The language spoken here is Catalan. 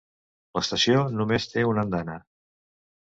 L'estació només té una andana.